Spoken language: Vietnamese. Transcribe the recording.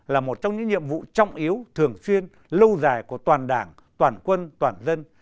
là một trong những nhiệm vụ trọng yếu thường xuyên lâu dài của toàn đảng toàn quân toàn dân